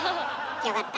よかった。